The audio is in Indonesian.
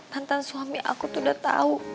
mantan suami aku tuh udah tahu